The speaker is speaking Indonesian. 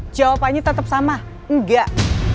jawabannya tetap sama enggak